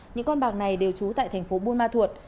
những con bạc này đều trú tại thành phố buôn ma thuột